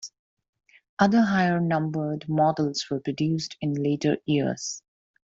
Other higher-numbered models were produced in later years.